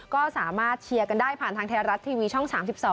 ก็สามารถเชียร์กันได้ผ่านทางไทยรัฐทีวีช่อง๓๒